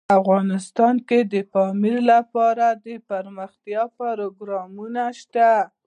افغانستان کې د پامیر لپاره دپرمختیا پروګرامونه شته.